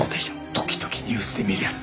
時々ニュースで見るやつ！